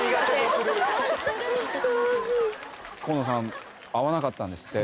河野さん合わなかったんですって。